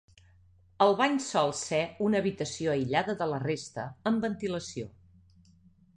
El bany sol ser una habitació aïllada de la resta, amb ventilació.